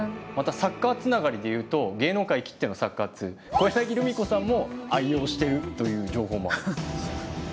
またサッカーつながりで言うと芸能界きってのサッカー通小柳ルミ子さんも愛用してるという情報も。